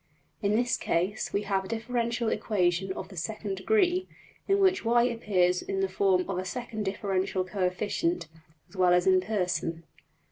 In this case we have a differential equation of the second degree, in which $y$ appears in the form of a second differential coefficient, as well as in person.